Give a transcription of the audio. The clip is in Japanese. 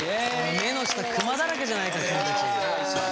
目の下クマだらけじゃないか君たち。